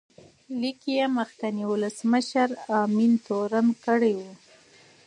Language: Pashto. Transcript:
لیک کې یې مخکینی ولسمشر امین تورن کړی و.